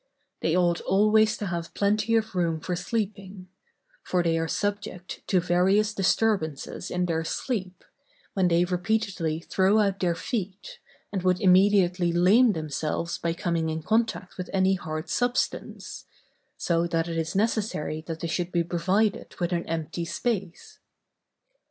They ought always to have plenty of room for sleeping; for they are subject to various disturbances in their sleep, when they repeatedly throw out their feet, and would immediately lame themselves by coming in contact with any hard substance; so that it is necessary that they should be provided with an empty space.